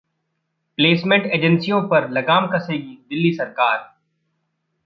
placement एजेंसियों पर लगाम कसेगी दिल्ली सरकार